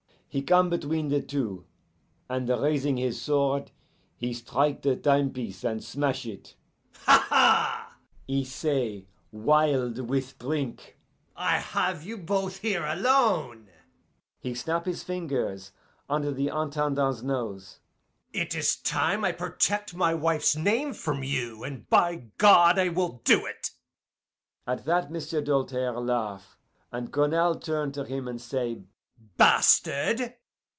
He come between the two, and, raising his sword, he strike the time piece and smash it. 'Ha! ha!' he say, wild with drink, 'I have you both here alone.' He snap his fingers under the Intendant's nose. 'It is time I protect my wife's name from you, and by God, I will do it!' At that M'sieu' Doltaire laugh, and Cournal turn to him, and say, 'Batard!